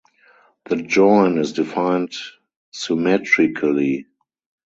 The join is defined symmetrically.